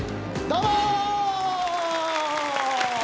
どうも。